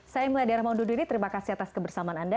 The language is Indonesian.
saya melayu dara maundududi terima kasih atas kebersamaan anda